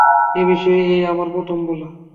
এ-বিষয়ে এই আমার প্রথম বলা।